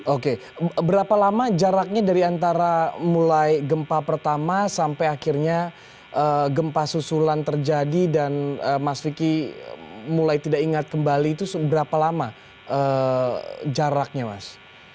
oke berapa lama jaraknya dari antara mulai gempa pertama sampai akhirnya gempa susulan terjadi dan mas vicky mulai tidak ingat kembali itu berapa lama jaraknya mas